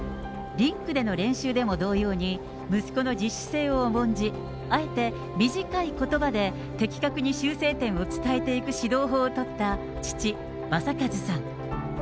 リンクでの練習でも同様に、息子の自主性を重んじ、あえて短いことばで、的確に修正点を伝えていく指導法を取った父、正和さん。